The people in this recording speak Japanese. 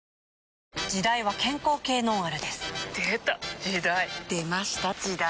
時代は健康系ノンアルですでた！時代！出ました！時代！